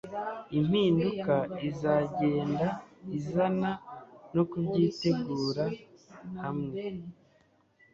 impinduka izagenda izana no kubyitegura hamwe